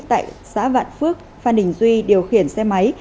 tại xã vạn phước phan đình duy điều khiển xe máy